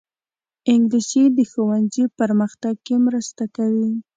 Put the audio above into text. انګلیسي د ښوونځي پرمختګ کې مرسته کوي